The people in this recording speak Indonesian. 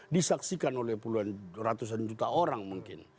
disaksikan oleh puluhan ratusan juta orang mungkin